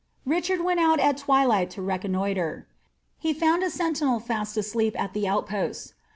Richard went out at twilight to reconnoitre. He found a sentinel fast asleep at the outposts.